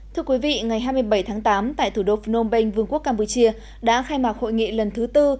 thưa quý vị ngày hai mươi bảy tháng tám tại thủ đô phnom penh vương quốc campuchia đã khai mạc hội nghị lần thứ tư